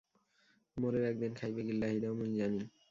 মোরেও একদিন খাইবে গিল্লা হেইডাও মুই জানি।